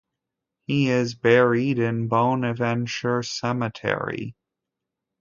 He is buried in Bonaventure Cemetery.